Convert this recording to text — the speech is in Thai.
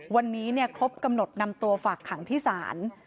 วันนี้ครบกำหนดนำตัวฝากขังที่ศาล